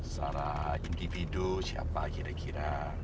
secara individu siapa kira kira